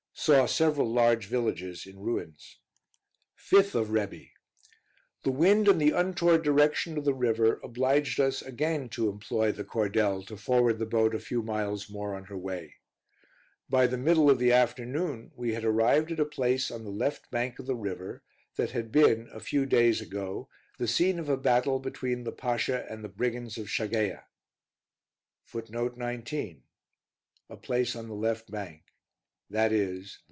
Saw several large villages in ruins. 5th of Rebi. The wind and the untoward direction of the river obliged us again to employ the cordel to forward the boat a few miles more on her way. By the middle of the afternoon we had arrived at a place on the left bank of the river that had been, a few days ago, the scene of a battle between the Pasha and the brigands of Shageia.